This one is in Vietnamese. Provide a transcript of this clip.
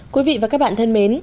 quý vị và các bạn thân mến